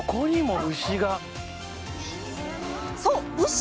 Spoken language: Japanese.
そう牛。